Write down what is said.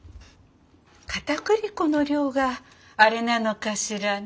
かたくり粉の量があれなのかしらね。